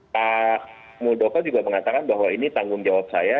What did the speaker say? pak muldoko juga mengatakan bahwa ini tanggung jawab saya